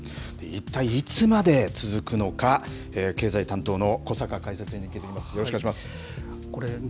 一体いつまで続くのか、経済担当の小坂解説委員に聞いていきます、よろしくお願いします。